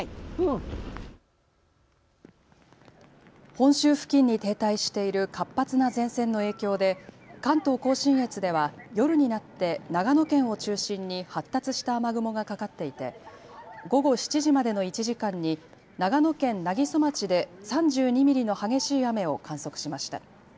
本州付近に停滞している活発な前線の影響で関東甲信越では夜になって長野県を中心に発達した雨雲がかかっていて午後７時までの１時間に長野県南木曽町で３２ミリの激しい雨を観測しました。